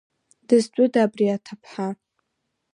Дызтәыда абри аҭыԥҳа?